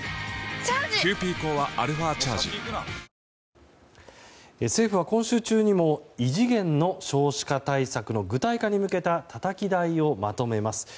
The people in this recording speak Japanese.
東京海上日動あんしん生命政府は今週中にも異次元の少子化対策の具体化に向けたたたき台をまとめます。